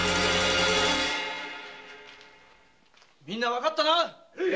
みんなわかったな！